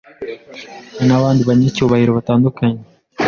n’abandi banyacyubahiro batandukanye